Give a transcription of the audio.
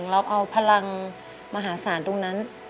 เราเอาพลังมหาศาลตรงนั้น